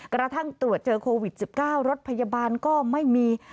กระทั่งตรวจเจอโควิด๑๙รถพยาบาลก็ไม่มี